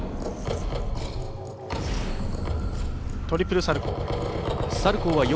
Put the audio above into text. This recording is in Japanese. トリプルサルコー。